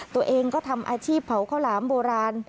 ตัวเองก็ทำอาชีพเผาข้าวหลามโบราณ